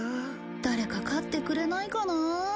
誰か飼ってくれないかな。